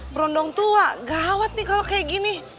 berondong tua gawat nih kalau kayak gini